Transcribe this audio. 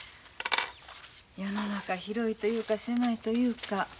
世の中広いというか狭いというか。